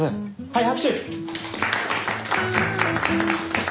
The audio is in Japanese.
はい。